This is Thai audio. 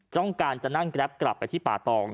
ต้องการจะนั่งแกรปกลับไปที่ป่าตอง